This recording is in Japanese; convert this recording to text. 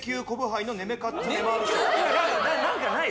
何かない？